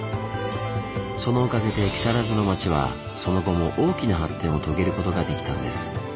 そのおかげで木更津の町はその後も大きな発展を遂げることができたんです。